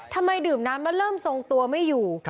ทำไมดื่มน้ำแล้วเริ่มทรงตัวไม่อยู่